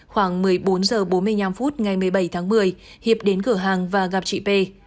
khoảng một mươi bốn h bốn mươi năm phút ngày một mươi bảy tháng một mươi hiệp đến cửa hàng và gặp chị p